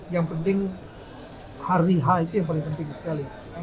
yang penting hari h itu yang paling penting sekali